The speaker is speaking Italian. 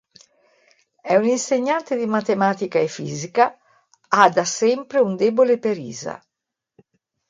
È un insegnante di matematica e fisica, ha da sempre un debole per Isa.